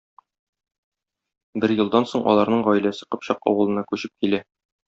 Бер елдан соң аларның гаиләсе Кыпчак авылына күчеп килә.